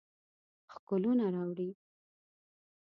ښکلونه راوړي